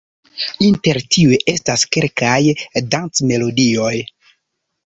Inter tiuj estas kelkaj dancmelodioj.